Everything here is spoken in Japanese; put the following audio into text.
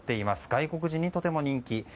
外国人にとても人気。